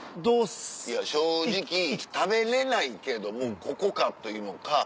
いや正直食べれないけれどもここかというのか。